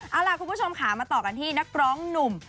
เอาล่ะคุณผู้ชมค่ะมาต่อกันที่นักร้องหนุ่ม